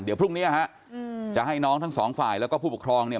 เดี๋ยวพรุ่งนี้ฮะจะให้น้องทั้งสองฝ่ายแล้วก็ผู้ปกครองเนี่ย